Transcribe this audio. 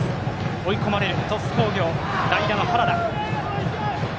追い込まれる鳥栖工業代打の原田。